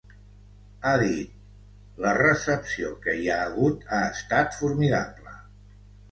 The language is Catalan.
Ha dit: La recepció que hi ha hagut ha estat formidable.